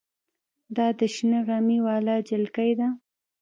دا د شنه غمي واله جلکۍ ده.